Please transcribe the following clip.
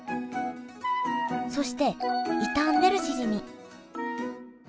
そして傷んでるしじみ